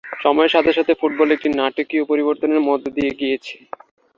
সময়ের সাথে সাথে ফুটবল একটি নাটকীয় পরিবর্তনের মধ্য দিয়ে গিয়েছে।